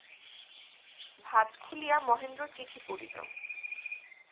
ভাঁজ খুলিয়া মহেন্দ্র চিঠি পড়িল।